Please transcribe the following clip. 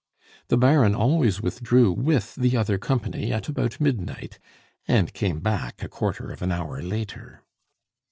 The Baron always withdrew with the other company at about midnight, and came back a quarter of an hour later.